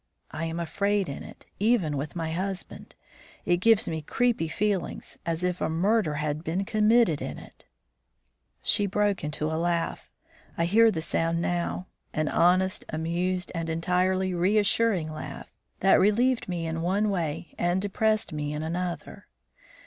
I am afraid in it, even with my husband. It gives me creepy feelings, as if a murder had been committed in it." She broke into a laugh; I hear the sound now, an honest, amused and entirely reassuring laugh, that relieved me in one way and depressed me in another.